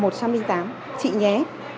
thì dám chị nhé